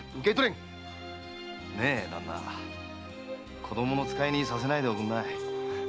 旦那子供の使いにさせないでおくんなさい。